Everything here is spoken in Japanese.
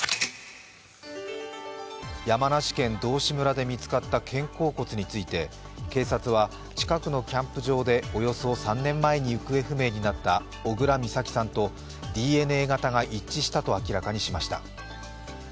山梨県道志村で見つかった肩甲骨について、警察は近くのキャンプ場でおよそ３年前に行方不明になった小倉美咲さんとＤＮＡ型が一致したと明らかにしました。